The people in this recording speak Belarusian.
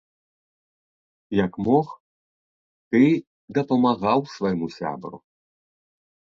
Як мог, ты дапамагаў свайму сябру.